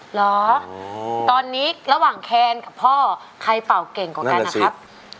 เหรอตอนนี้ระหว่างแคนกับพ่อใครเป่าเก่งกว่ากันนะครับ